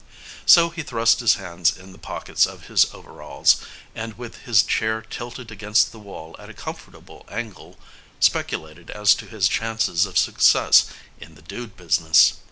So he thrust his hands in the pockets of his overalls, and, with his chair tilted against the wall at a comfortable angle, speculated as to his chances of success in the dude business.